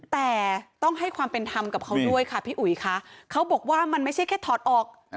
แต่ต้องให้ความเป็นธรรมกับเขาด้วยค่ะพี่อุ๋ยค่ะเขาบอกว่ามันไม่ใช่แค่ถอดออก